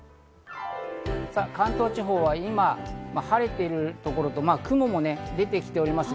関東地方は今、晴れているところと、雲も出てきております。